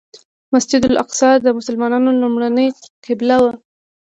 مسجد الاقصی د مسلمانانو لومړنۍ قبله وه.